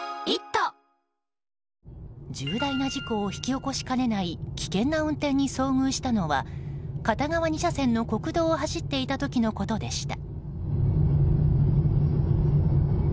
重大な事故を引き起こしかねない危険な運転に遭遇したのは片側２車線の国道を走っていた時のことでした。